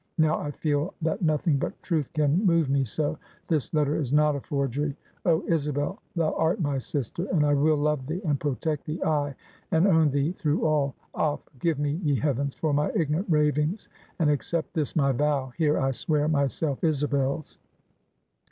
Now I feel that nothing but Truth can move me so. This letter is not a forgery. Oh! Isabel, thou art my sister; and I will love thee, and protect thee, ay, and own thee through all. Ah! forgive me, ye heavens, for my ignorant ravings, and accept this my vow. Here I swear myself Isabel's.